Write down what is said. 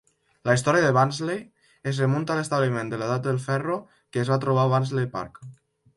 La història de Barnsley es remunta a l'establiment de l'edat del ferro que es va trobar a Barnsley Park.